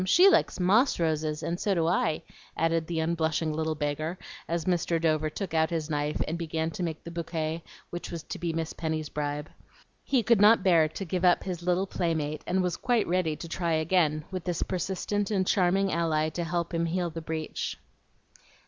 She likes MOSS roses, and so do I," added the unblushing little beggar, as Mr. Dover took out his knife and began to make the bouquet which was to be Miss Penny's bribe. He could not bear to give up his little playmate, and was quite ready to try again, with this persistent and charming ally to help him heal the breach.